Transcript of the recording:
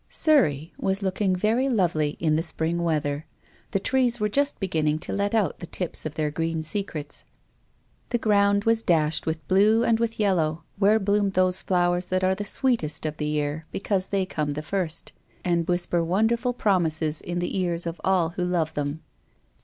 Surrey was looking very lovely in the spring weather. The trees were just beginning to let out the tips of their green secrets. The ground was dashed with blue and with yellow, where bloomed those flowers that are the sweetest of the year because they come the first, and whis« KlTTTTTTAir T ^On T T^" WILLIAM FOSTER. 149 per wonderful promises in the ears of all who love them.